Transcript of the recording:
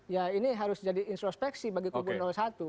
ya ini harus jadi introspeksi bagi kubu satu